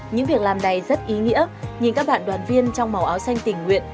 những việc làm này rất ý nghĩa nhìn các bạn đoàn viên trong màu áo xanh tình nguyện